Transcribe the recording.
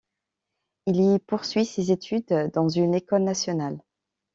Il y poursuit ses études dans une école nationale.